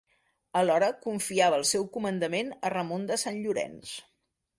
Alhora, confiava el seu comandament a Ramon de Sant Llorenç.